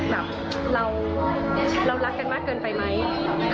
แบบเรารักกันมากเกินไปไหม